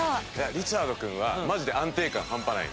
リチャード君はマジで安定感ハンパない。